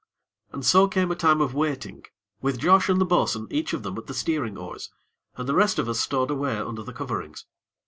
And so came a time of waiting, with Josh and the bo'sun each of them at the steering oars, and the rest of us stowed away under the coverings.